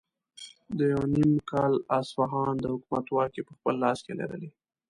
ده یو نیم کال اصفهان د حکومت واکې په خپل لاس کې لرلې.